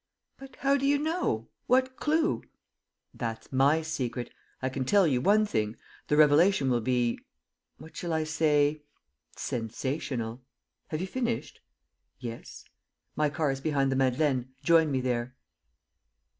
"But how do you know? ... What clue? ..." "That's my secret. I can tell you one thing: the revelation will be what shall I say sensational. Have you finished?" "Yes." "My car is behind the Madeleine. Join me there."